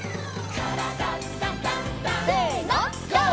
「からだダンダンダン」せのＧＯ！